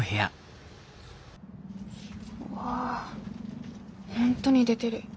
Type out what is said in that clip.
うわ本当に出てる。